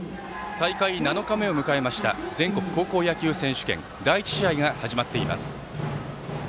大会７日目を迎えました全国高校野球選手権第１試合が始まっています。